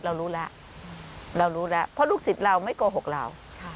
เรารู้แล้วเรารู้แล้วเพราะลูกศิษย์เราไม่โกหกเรา